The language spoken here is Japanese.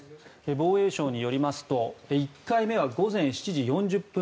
防衛省によりますと１回目は午前７時４０分